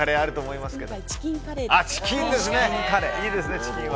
いいですね。